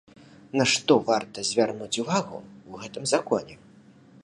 На што варта звярнуць увагу ў гэтым законе?